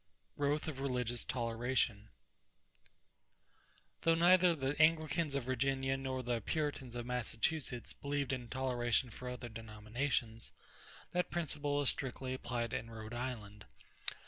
=Growth of Religious Toleration.= Though neither the Anglicans of Virginia nor the Puritans of Massachusetts believed in toleration for other denominations, that principle was strictly applied in Rhode Island.